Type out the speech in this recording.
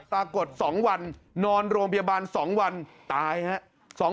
ตากด๒วันนอนโรงพยาบาล๒วันตายนะ